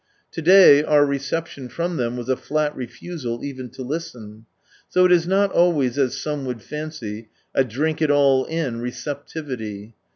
To day our reception from them, was a flat refusal even to listen. So it is not aJways as some would fancy, a drink it a II in receptivity.